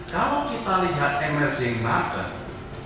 kalau kita lihat emerging market